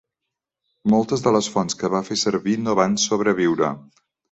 Moltes de les fonts que va fer servir no van sobreviure.